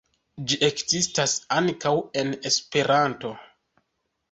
Ĝi ekzistas ankaŭ en Esperanto.